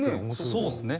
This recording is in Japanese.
そうですね。